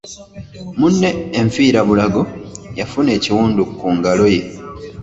Munne enfiirabulago, yafuna ekiwundu ku ngalo ye.